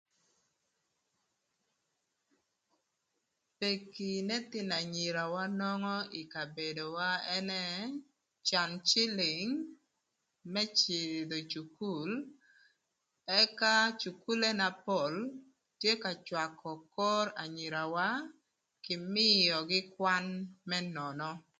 Peki n'ëthïnö anyirawa nongo ï kabedowa ënë can cïlïng më cïdhö ï cukul ëka cukule na pol tye ka cwakö kor anyirawa kï mïögï kwan më nono.